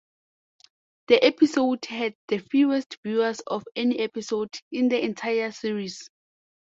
The episode had the fewest viewers of any episode in the entire series.